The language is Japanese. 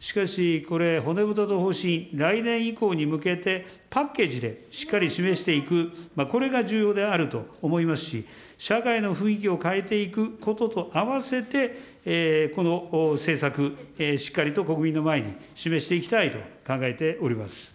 しかし、これ、骨太の方針、来年以降に向けてパッケージでしっかり示していく、これが重要であると思いますし、社会の雰囲気を変えていくこととあわせて、この政策、しっかりと国民の前に示していきたいと考えております。